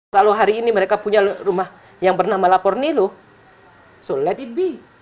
kalau hari ini mereka punya rumah yang bernama lapor nilo so let it be